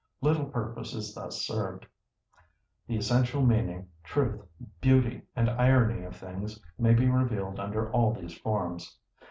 Little purpose is thus served. The essential meaning, truth, beauty, and irony of things may be revealed under all these forms.